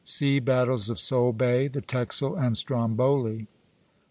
SEA BATTLES OF SOLEBAY, THE TEXEL, AND STROMBOLI.